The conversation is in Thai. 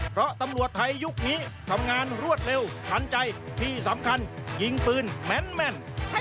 เพราะตำรวจไทยยุคนี้ทำงานรวดเร็วทันใจที่สำคัญยิงปืนแม่น